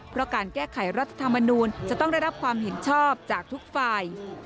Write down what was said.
เพราะการแก้ไขรัฐธรรมนูลจะต้องได้รับความเห็นชอบจากทุกฝ่าย